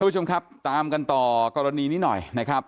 ผู้ชมครับตามกันต่อกรณีนี้หน่อยนะครับ